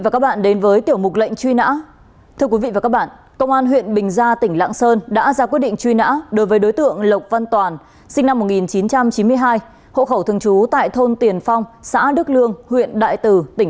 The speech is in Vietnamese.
cảm ơn quý vị và các bạn đã quan tâm theo dõi